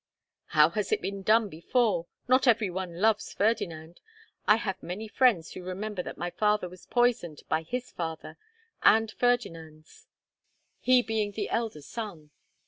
"How has it been done before? Not every one loves Ferdinand. I have many friends who remember that my father was poisoned by his father and Ferdinand's, he being the elder son.